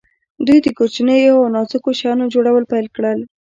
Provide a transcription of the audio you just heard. دوی د کوچنیو او نازکو شیانو جوړول پیل کړل.